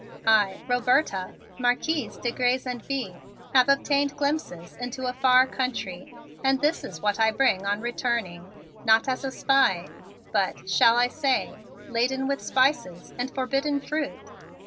I, Roberta, Marquise de Grez and Bye, have obtained glimpses into a far country and this is what I bring on returning, not as a spy, but, shall I say, laden with spices and forbidden fruit?